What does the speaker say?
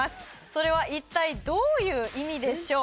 それは一体どういう意味でしょう？